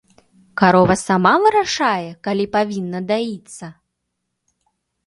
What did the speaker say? Карова сама вырашае, калі павінна даіцца?